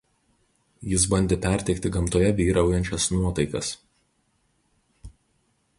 Jis bandė perteikti gamtoje vyraujančias nuotaikas.